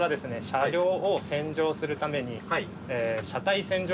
車両を洗浄するために洗車ですよ洗車。